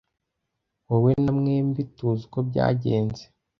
Wowe na mwembi tuzi uko byagenze.